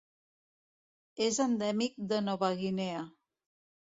És endèmic de Nova Guinea.